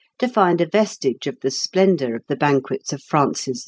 to find a vestige of the splendour of the banquets of Francis I.